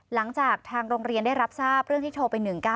หลังจากทางโรงเรียนได้รับทราบเรื่องที่โทรไป๑๙